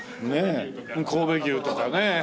神戸牛とかねえ。